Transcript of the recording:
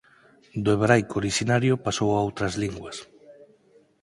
Do hebraico orixinario pasou a outras linguas.